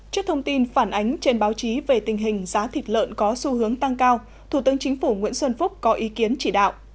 trước thông tin phản ánh trên báo chí về tình hình giá thịt lợn có xu hướng tăng cao thủ tướng chính phủ nguyễn xuân phúc có ý kiến chỉ đạo